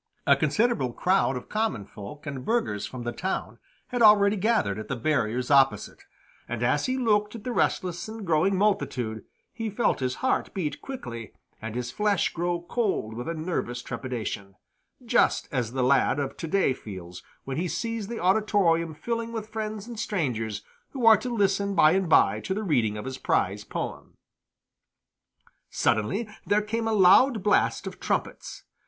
A considerable crowd of common folk and burghers from the town had already gathered at the barriers opposite, and as he looked at the restless and growing multitude he felt his heart beat quickly and his flesh grow cold with a nervous trepidation just such as the lad of to day feels when he sees the auditorium filling with friends and strangers who are to listen by and by to the reading of his prize poem. Suddenly there came a loud blast of trumpets.